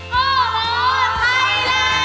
โปรดติดตามตอนต่อไป